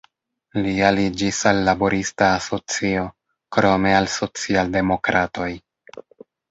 Li aliĝis al laborista asocio, krome al socialdemokratoj.